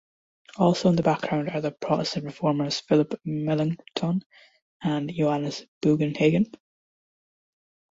Also in the background are the Protestant reformers Philipp Melanchthon and Johannes Bugenhagen.